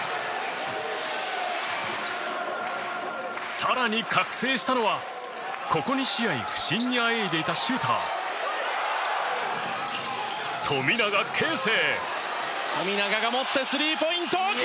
更に覚醒したのは、ここ２試合不振にあえいでいたシューター富永啓生。